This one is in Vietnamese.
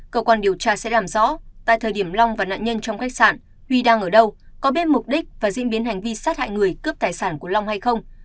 cơ quan điều tra sẽ làm rõ tại thời điểm long và nạn nhân trong khách sạn huy đang ở đâu có biết mục đích và diễn biến hành vi sát hại người cướp tài sản của long hay không